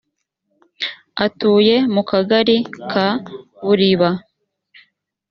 atuye mu kagari ka buriba.